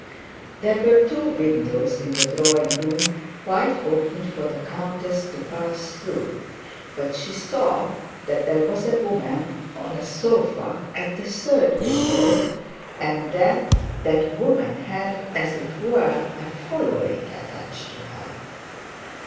There were two windows in the drawing room wide open for the countess to pass through; but she saw that there was a woman on the sofa, at the third window, and that that woman had, as it were, a following attached to her.